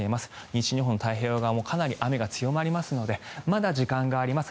西日本太平洋側もかなり雨が強まりますのでまだ時間があります。